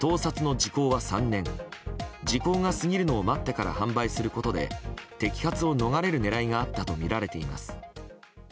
時効が過ぎるのを待ってから販売することで摘発を逃れる狙いがあったとみられています。